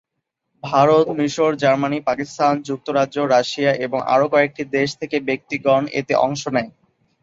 ভারত, মিশর, জার্মানি, পাকিস্তান, যুক্তরাজ্য, রাশিয়া এবং আরও কয়েকটি দেশ থেকে ব্যক্তিগণ এতে অংশ নেয়।